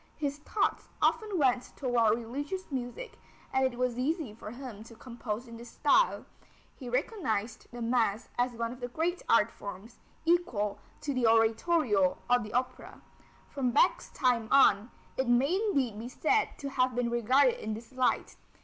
His thoughts often went toward religious music, and it was easy for him to compose in this style. He recognized the mass as one of the great art forms, equal to the oratorio or the opera. From Bach's time on, it may indeed be said to have been regarded in this light.